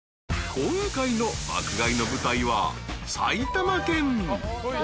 ［今回の爆買いの舞台は埼玉県］